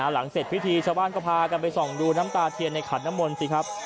หลังเสร็จพิธีชาวบ้านก็พากันไปส่องดูน้ำตาเทียนในขันน้ำมนต์สิครับ